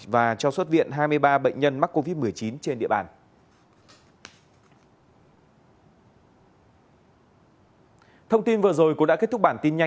và cho xuất viện hai mươi ba bệnh nhân mắc covid một mươi chín trên địa bàn